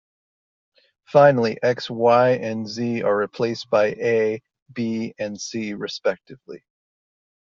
Finally, X, Y and Z are replaced by A, B and C respectively.